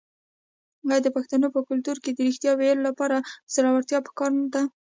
آیا د پښتنو په کلتور کې د ریښتیا ویلو لپاره زړورتیا پکار نه ده؟